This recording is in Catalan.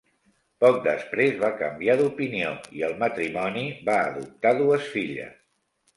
Poc després va canviar d'opinió, i el matrimoni va adoptar dues filles.